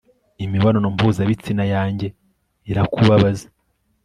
imibonano mpuzabitsina yanjye irakubabaza